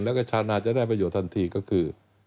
แล้วก็ชาวนาจะได้ประโยชนทันทีก็คือ